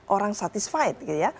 orang satisfied gitu ya